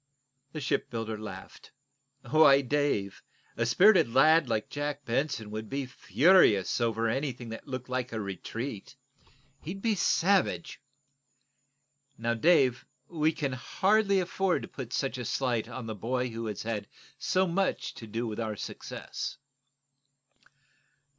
The shipbuilder laughed. "Why, Dave, a spirited lad like Jack Benson would be furious over anything that looked like a retreat. He'd be savage. Now, Dave, we can hardly afford to put such a slight on the boy who has had so much to do with our success."